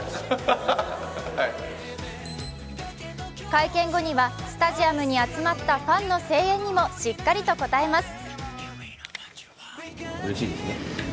会見後にはスタジアムに集まったファンの声援にもしっかりと応えます。